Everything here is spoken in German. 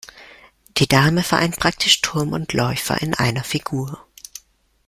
Die Dame vereint praktisch Turm und Läufer in einer Figur.